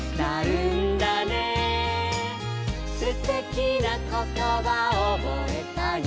「すてきなことばおぼえたよ」